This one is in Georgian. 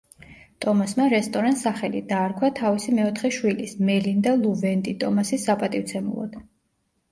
ტომასმა რესტორანს სახელი დაარქვა თავისი მეოთხე შვილის მელინდა ლუ „ვენდი“ ტომასის საპატივცემულოდ.